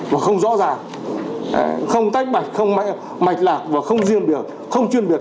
và không rõ ràng không tách bạch không mạch lạc và không riêng được không chuyên biệt